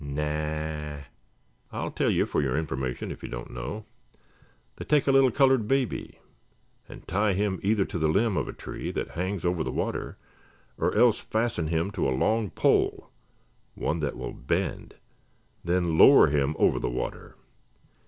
"Na a a a! I'll tell you for your information, if you don't know. They take a little colored baby and tie him either to the limb of a tree that hangs over the water, or else fasten him to a long pole one that will bend then lower him over the water.